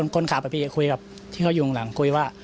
คนขับพี่คุยกับที่เขาอยู่ข้างหลังคุยว่า